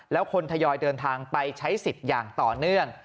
แล้วคนทยอยเดินทางไปใช้สิทธิ์อย่างต่อเนื่อง